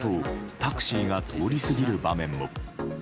タクシーが通り過ぎる場面も。